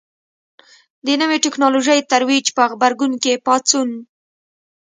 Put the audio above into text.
د نوې ټکنالوژۍ ترویج په غبرګون کې پاڅون.